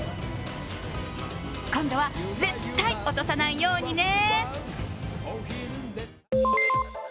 今度は絶対落とさないようにね。